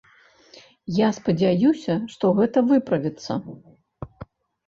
Я спадзяюся, што гэта выправіцца.